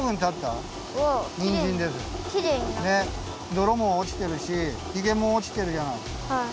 どろもおちてるしヒゲもおちてるじゃない。